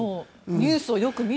ニュースをよく見て。